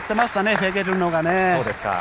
フェゲルのがね。